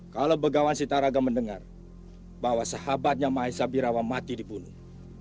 kalau begawan sitaraga mendengar bahwa sahabatnya maha esa birawa mati dibunuh